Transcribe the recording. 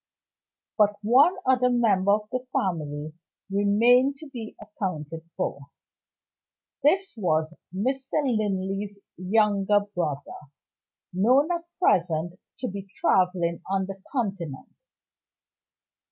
But one other member of the family remained to be accounted for. This was Mr. Linley's younger brother, known at present to be traveling on the Continent.